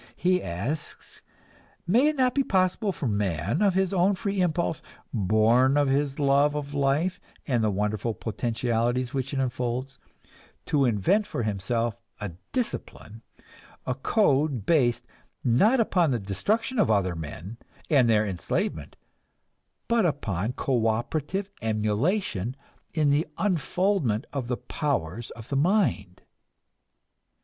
He asks, May it not be possible for man, of his own free impulse, born of his love of life and the wonderful potentialities which it unfolds, to invent for himself a discipline, a code based, not upon the destruction of other men and their enslavement, but upon cooperative emulation in the unfoldment of the powers of the mind?